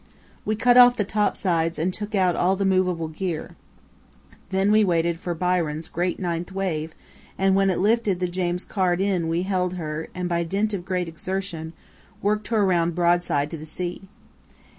We cut off the topsides and took out all the movable gear. Then we waited for Byron's "great ninth wave," and when it lifted the James Caird in we held her and, by dint of great exertion, worked her round broadside to the sea.